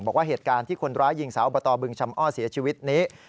บอกว่าเหตุการณ์ที่คนร้ายยิงสาวอบตบึงชำอ้อเสียชีวิตนี้